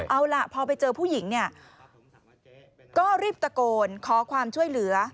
เอาล่ะพอไปเจอผู้หญิงเนี่ยก็รีบตะโกนขอความช่วยเหลือ